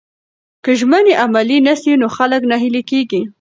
که ژمنې عملي نسي نو خلک ناهیلي کیږي.